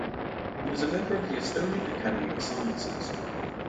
He was a member of the Estonian Academy of Sciences.